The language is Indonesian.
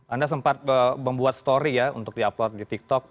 anda sempat membuat story ya untuk di upload di tiktok